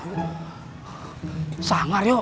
aku liatin buat gue yuk